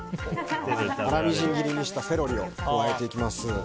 粗みじん切りにしたセロリを加えていきます。